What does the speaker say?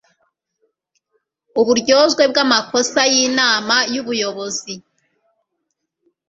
uburyozwe bw'amakosa y'inama y'ubuyobozi